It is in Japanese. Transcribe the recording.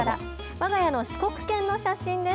わが家の四国犬の写真です。